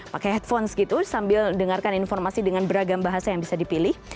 pakai headphone segitu sambil dengarkan informasi dengan beragam bahasa yang bisa dipilih